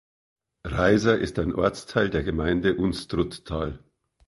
Reiser ist ein Ortsteil der Gemeinde Unstruttal.